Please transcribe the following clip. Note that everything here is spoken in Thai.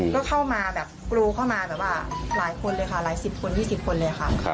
ก็เข้ามาแบบกรูเข้ามาแบบว่าหลายคนเลยค่ะหลายสิบคน๒๐คนเลยค่ะ